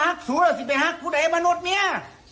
หลงหลักด้วย